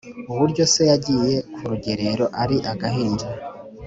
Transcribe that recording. uburyo se yagiye ku rugerero ari agahinja,